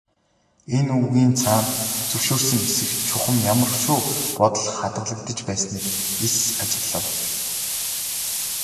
Энэ үгийн цаана зөвшөөрсөн эсэх, чухам ямар шүү бодол хадгалагдаж байсныг эс ажиглав.